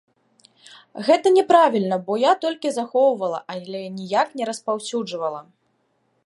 Гэта няправільна, бо я толькі захоўвала, але ніяк не распаўсюджвала.